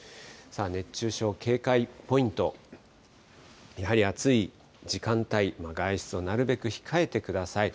熱中症警戒ポイント、やはり熱い時間帯、外出をなるべく控えてください。